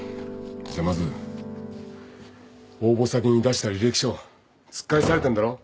じゃまず応募先に出した履歴書突っ返されてんだろ？